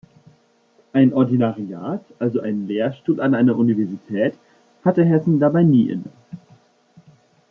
Ein Ordinariat, also einen Lehrstuhl an einer Universität, hatte Hessen dabei nie inne.